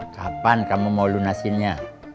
kapan kamu mau lunasinnya